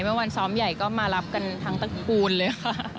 ในวันซ้อมใหญ่มารับกันฝักพูนเลย